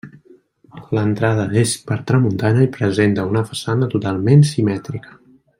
L'entrada és per tramuntana i presenta una façana totalment simètrica.